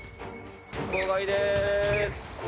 号外です。